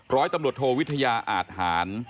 ร้อยตำรวจโทวิทยาอาทหาร